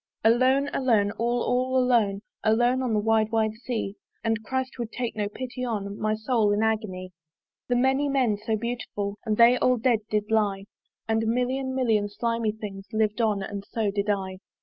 Alone, alone, all all alone Alone on the wide wide Sea; And Christ would take no pity on My soul in agony. The many men so beautiful, And they all dead did lie! And a million million slimy things Liv'd on and so did I.